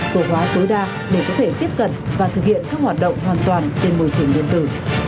số hóa tối đa để có thể tiếp cận và thực hiện các hoạt động hoàn toàn trên môi trường điện tử